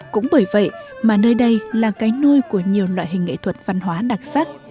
cũng bởi vậy mà nơi đây là cái nôi của nhiều loại hình nghệ thuật văn hóa đặc sắc